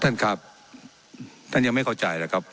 ท่านครับท่านยังไม่เข้าใจแล้วครับ